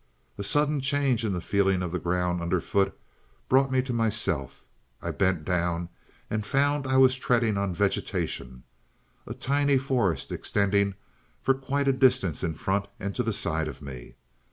"A sudden change in the feeling of the ground underfoot brought me to myself; I bent down and found I was treading on vegetation a tiny forest extending for quite a distance in front and to the side of me.